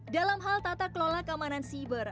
dalam hal tata kelola keamanan siber